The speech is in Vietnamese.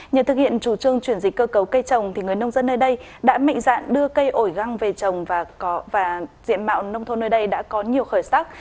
nhờ thực hiện chủ trương chuyển dịch cơ cấu cây trồng người nông dân nơi đây đã mạnh dạn đưa cây ổi găng về trồng và diện mạo nông thôn nơi đây đã có nhiều khởi sắc